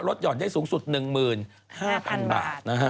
ลดหย่อนได้สูงสุด๑หมื่น๕๐๐๐บาทนะฮะ